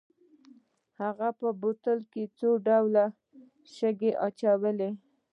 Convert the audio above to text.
هغه په بوتل کې څو ډوله شګې اچولې.